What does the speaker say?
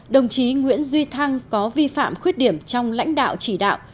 đồng chí nguyễn duy thăng có vi phạm khuyết điểm trong lãnh đạo chỉ đạo